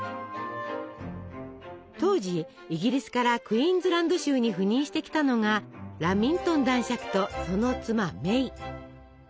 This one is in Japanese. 当時イギリスからクイーンズランド州に赴任してきたのがラミントン男爵とその妻メイ。